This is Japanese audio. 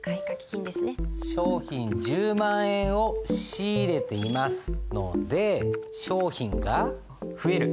商品１０万円を仕入れていますので商品が増える。